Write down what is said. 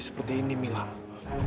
dan kita akan kalah kak